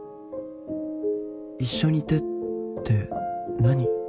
「一緒にいて」って何？